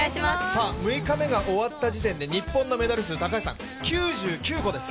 ６日目が終わった時点で日本のメダル数、９９個です。